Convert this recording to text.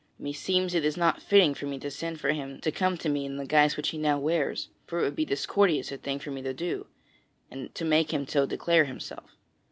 Meseems it is not fitting for me to send for him to come to me in the guise which he now wears, for it would be discourteous a thing for me to do, to make him so declare himself.